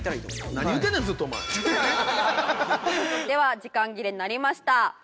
では時間切れになりました。